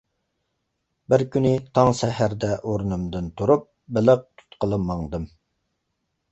بىر كۈنى تاڭ سەھەردە ئورنۇمدىن تۇرۇپ بېلىق تۇتقىلى ماڭدىم.